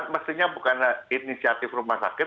mestinya bukan inisiatif rumah sakit